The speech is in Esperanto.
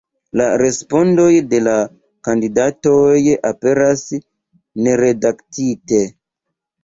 La respondoj de la kandidatoj aperas neredaktite.